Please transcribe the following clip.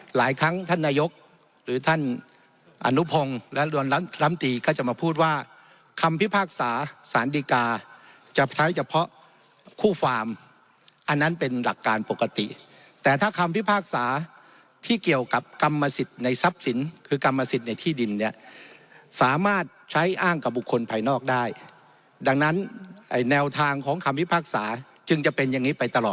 หลายครั้งท่านนายกหรือท่านอนุพงศ์และลำตีก็จะมาพูดว่าคำพิพากษาสารดีกาจะใช้เฉพาะคู่ฟาร์มอันนั้นเป็นหลักการปกติแต่ถ้าคำพิพากษาที่เกี่ยวกับกรรมสิทธิ์ในทรัพย์สินคือกรรมสิทธิ์ในที่ดินเนี่ยสามารถใช้อ้างกับบุคคลภายนอกได้ดังนั้นแนวทางของคำพิพากษาจึงจะเป็นอย่างนี้ไปตลอด